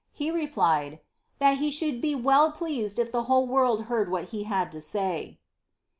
He replied, ^^ that he should be well pleased if the whole world heard what he had to say."